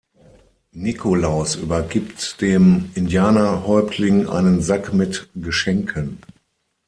Nikolaus übergibt dem Indianerhäuptling einen Sack mit Geschenken.